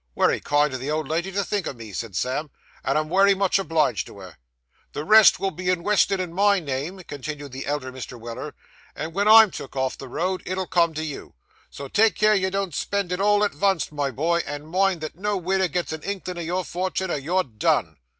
'Wery kind o' the old lady to think o' me,' said Sam, 'and I'm wery much obliged to her.' 'The rest will be inwested in my name,' continued the elder Mr. Weller; 'and wen I'm took off the road, it'll come to you, so take care you don't spend it all at vunst, my boy, and mind that no widder gets a inklin' o' your fortun', or you're done.